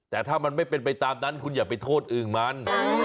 แต่ถ้ามันไม่เป็นไปตามนั้นคุณอย่าไปโทษอื่นมัน